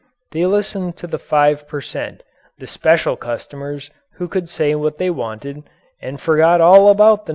They listened to the 5 per cent., the special customers who could say what they wanted, and forgot all about the 95 per cent.